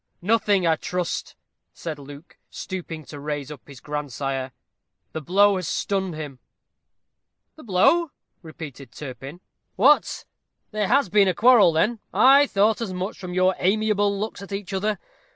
"Nothing, I trust," said Luke, stooping to raise up his grandsire. "The blow has stunned him." "The blow?" repeated Turpin. "What! there has been a quarrel then? I thought as much from your amiable looks at each other.